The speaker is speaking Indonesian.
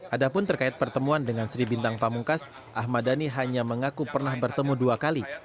ada pun terkait pertemuan dengan sri bintang pamungkas ahmad dhani hanya mengaku pernah bertemu dua kali